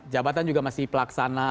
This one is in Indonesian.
jabatan juga masih pelaksana